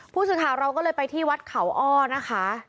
ผู้สื่อข่าวเราก็เลยไปที่วัดเขาอ้อนะคะ